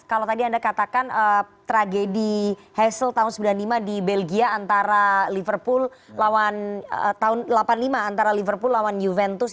kalau tadi anda katakan tragedi hasel tahun seribu sembilan ratus sembilan puluh lima di belgia antara liverpool lawan tahun seribu sembilan ratus delapan puluh lima antara liverpool lawan juventus